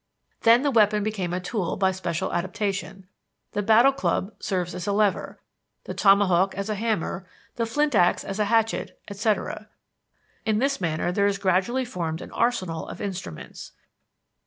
Then the weapon became a tool by special adaptation: the battle club serves as a lever, the tomahawk as a hammer, the flint ax as a hatchet, etc. In this manner there is gradually formed an arsenal of instruments.